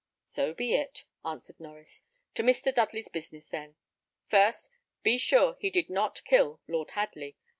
"So be it," answered Norries; "to Mr. Dudley's business, then. First, be sure he did not kill Lord Hadley.